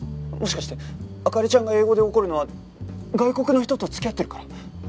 もしかして灯ちゃんが英語で怒るのは外国の人と付き合ってるから？